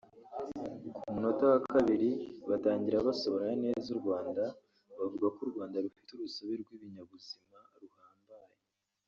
Ku munota wa kabiri batangira basobanura neza u Rwanda; bavuga ko u Rwanda rufite urusobe rw’ibinyabuzima ruhambaye